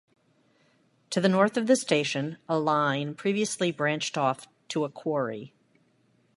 To the north of the station, a line previously branched off to a quarry.